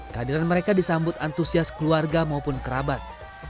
kehadiran mereka disambut antusias keluarga maupun kerabat